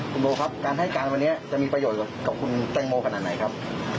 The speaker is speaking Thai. คุณโบครับการให้การวันนี้จะมีประโยชน์กับคุณแตงโมขนาดไหนครับ